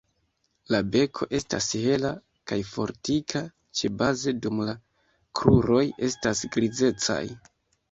La beko estas hela kaj fortika ĉebaze dum la kruroj estas grizecaj.